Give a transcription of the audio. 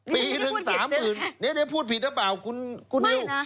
ปีถึง๓๐๐๐๐นี่พูดผิดหรือเปล่าคุณนิว